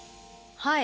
はい。